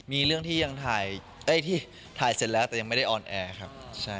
มีเรื่องที่ยังถ่ายเสร็จแล้วแต่ยังไม่ได้ออนแอร์ครับ